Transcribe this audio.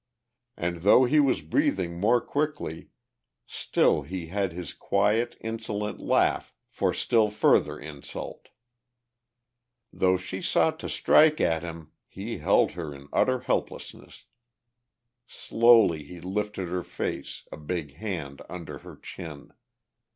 And though he was breathing more quickly still he had his quiet insolent laugh for still further insult. Though she sought to strike at him he held her in utter helplessness. Slowly he lifted her face, a big hand under her chin.